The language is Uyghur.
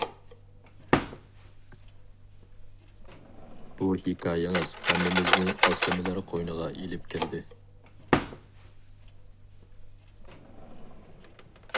بۇ ھېكايىڭىز ھەممىمىزنى ئەسلىمىلەر قوينىغا ئېلىپ كىردى.